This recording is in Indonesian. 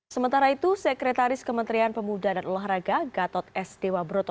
sementara itu sekretaris kementerian pemuda dan olahraga gatot s dewa broto